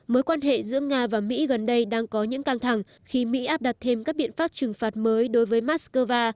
mối quan hệ giữa nga và mỹ gần đây đang có những căng thẳng khi mỹ áp đặt thêm các biện pháp trừng phạt mới đối với moscow